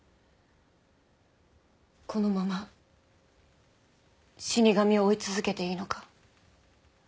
このまま死神を追い続けていいのか？